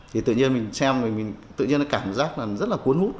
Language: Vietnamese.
thì tự nhiên mình xem tự nhiên cảm giác rất là cuốn hút